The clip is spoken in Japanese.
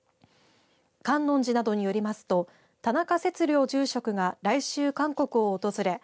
観音寺などによりますと田中節竜住職が来週、韓国を訪れ